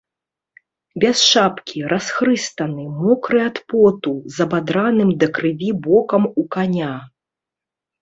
Без шапкі, расхрыстаны, мокры ад поту, з абадраным да крыві бокам у каня.